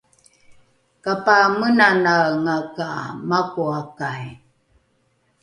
kapamenanaenga ka makoakai